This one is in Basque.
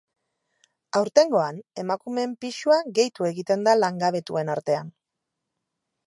Aurtengoan, emakumeen pisua gehitu egiten da langabetuen artean.